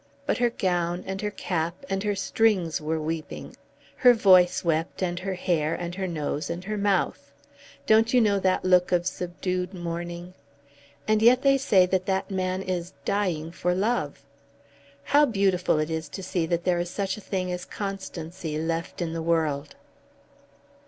But her gown, and her cap, and her strings were weeping. Her voice wept, and her hair, and her nose, and her mouth. Don't you know that look of subdued mourning? And yet they say that that man is dying for love. How beautiful it is to see that there is such a thing as constancy left in the world."